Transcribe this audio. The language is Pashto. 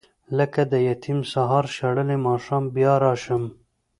لکه یتیم سهار شړلی ماښام بیا راشم.